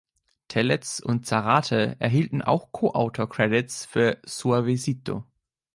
Tellez und Zarate erhielten auch Co-Autor Credits für „Suavecito“.